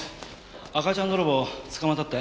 赤ちゃん泥棒捕まったって？